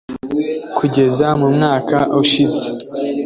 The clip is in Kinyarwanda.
Kugeza mu mwaka ushize